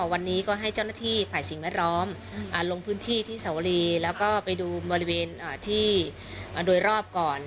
วันนี้ก็ให้เจ้าหน้าที่ฝ่ายสิ่งแวดล้อมลงพื้นที่ที่สวรีแล้วก็ไปดูบริเวณที่โดยรอบก่อน